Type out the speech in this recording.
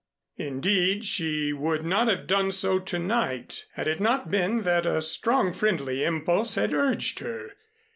Indeed, she would not have done so to night had it not been that a strong friendly impulse had urged her.